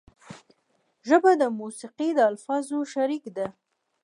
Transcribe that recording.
ژبه د موسیقۍ د الفاظو شریک ده